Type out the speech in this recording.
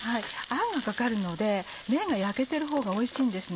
あんがかかるので麺が焼けてるほうがおいしいんです。